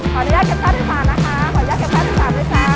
ขอยักกันค่าที่สามเลยจ้า